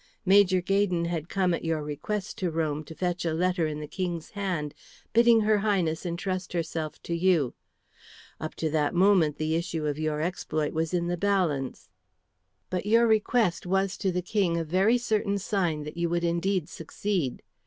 Major Gaydon had come at your request to Rome to fetch a letter in the King's hand, bidding her Highness entrust herself to you. Up to that moment the issue of your exploit was in the balance. But your request was to the King a very certain sign that you would indeed succeed.